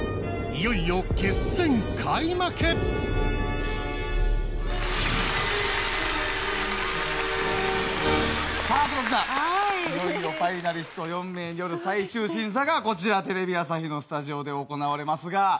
いよいよファイナリスト４名による最終審査がこちらテレビ朝日のスタジオで行われますが。